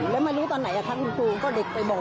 แล้วไม่รู้ตอนไหนทั้งคุณครูก็เด็กไปบอก